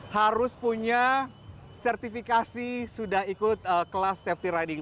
harus punya sertifikasi sudah ikut kelas safety riding